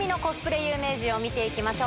有名人を見ていきましょう。